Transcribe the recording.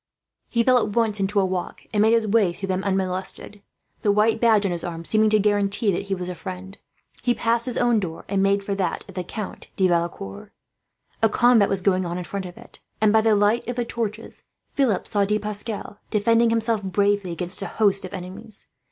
He fell at once into a walk, and made his way through them unmolested, the white badge on his arm seeming to guarantee that he was a friend. He passed his own door, and made for that of the Count de Valecourt. A combat was going on in front of it and, by the light of the torches, Philip saw De Pascal defending himself bravely against a host of enemies.